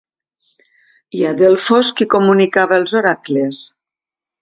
I a Delfos qui comunicava els oracles?